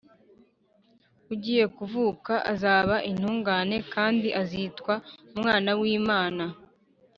ugiye kuvuka azaba intungane kandi azitwa umwana w’imana